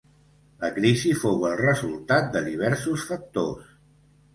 La crisi fou el resultat de diversos factors.